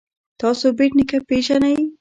تاسو بېټ نیکه پيژنئ.